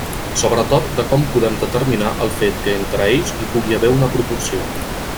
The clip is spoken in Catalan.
Sobretot de com podem determinar el fet que entre ells hi pugui haver una proporció.